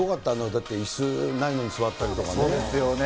だっていすないのに座ったりとかね。